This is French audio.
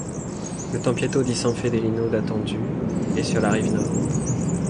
Le Tempietto di San Fedelino, datant du est sur la rive nord.